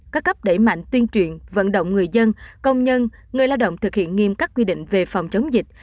các cấp đẩy mạnh tuyên truyền vận động người dân công nhân người lao động thực hiện nghiêm các quy định về phòng chống dịch